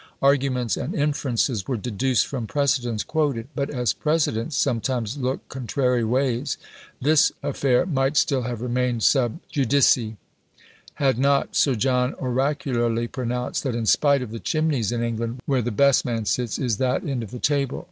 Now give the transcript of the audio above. Arguments and inferences were deduced from precedents quoted; but as precedents sometimes look contrary ways, this affair might still have remained sub judice, had not Sir John oracularly pronounced that "in spite of the chimneys in England, where the best man sits, is that end of the table."